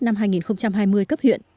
năm hai nghìn hai mươi cấp huyện